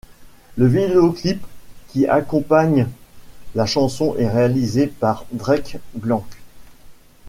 Le vidéoclip qui accompagne la chanson est réalisé par Drek Blanks.